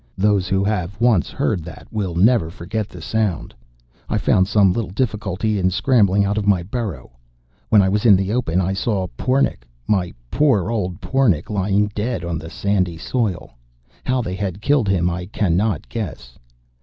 Those who have once heard that will never forget the sound. I found some little difficulty in scrambling out of the burrow. When I was in the open, I saw Pornic, my poor old Pornic, lying dead on the sandy soil. How they had killed him I cannot guess.